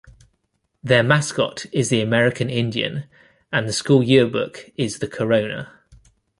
Their mascot is the American Indian and the school yearbook is "The Corona".